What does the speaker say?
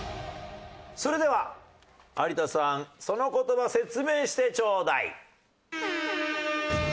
それでは有田さんその言葉説明してチョーダイ！